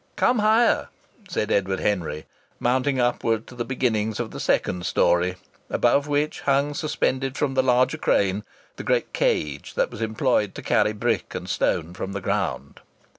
"Come higher," said Edward Henry, mounting upward to the beginnings of the second story, above which hung suspended from the larger crane the great cage that was employed to carry brick and stone from the ground.